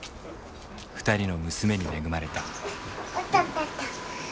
２人の娘に恵まれた。